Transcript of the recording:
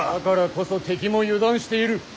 だからこそ敵も油断している。